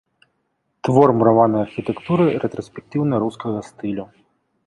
Твор мураванай архітэктуры рэтраспектыўна-рускага стылю.